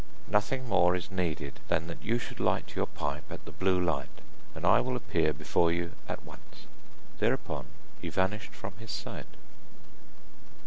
'Nothing more is needed than that you should light your pipe at the blue light, and I will appear before you at once.' Thereupon he vanished from his sight.